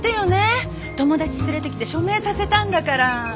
友達連れてきて署名させたんだから。